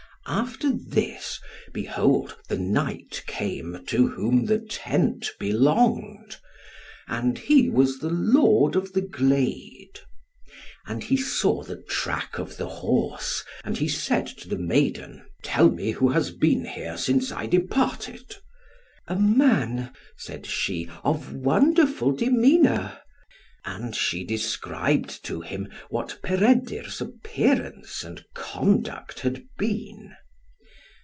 After this, behold the knight came, to whom the tent belonged; and he was the Lord of the Glade. And he saw the track of the horse, and he said to the maiden, "Tell me who has been here since I departed." "A man," said she, "of wonderful demeanour." And she described to him what Peredur's appearance and conduct had been.